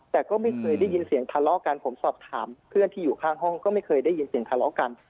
แต่ก็ไม่เคยได้ยินเสียงทะเลาะกันผมสอบถามเพื่อนที่อยู่ข้างห้องก็ไม่เคยได้ยินเสียงทะเลาะกัน